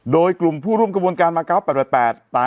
โดยกลุ่มผู้ร่วมกับการมาเกลัว๘๘